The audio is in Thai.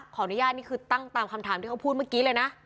นี่คือตั้งตามคำถามที่เขาพูดเมื่อกี้เลยนะ